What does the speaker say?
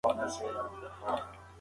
ده د دروغو پر وړاندې سخت دريځ درلود.